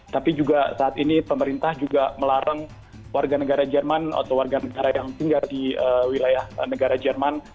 tapi juga saat ini pemerintah juga melarang warga negara jerman atau warga negara yang tinggal di wilayah negara jerman